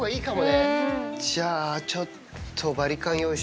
じゃあちょっと。